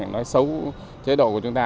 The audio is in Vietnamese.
nói xấu chế độ của chúng ta